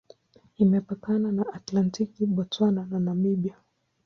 Imepakana na Atlantiki, Botswana na Namibia.